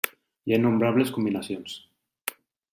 Hi ha innombrables combinacions.